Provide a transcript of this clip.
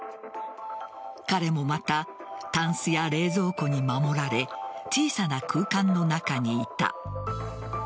彼もまたたんすや冷蔵庫に守られ小さな空間の中にいた。